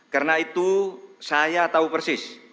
karena itu saya tahu persis